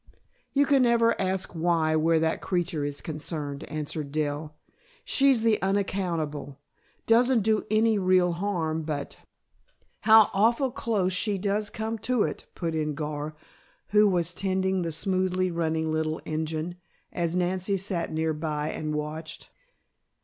"You can never ask why, where that creature is concerned," answered Dell. "She's the unaccountable. Doesn't do any real harm but " "How awful close she does come to it," put in Gar, who was tending the smoothly running little engine, as Nancy sat near by and watched.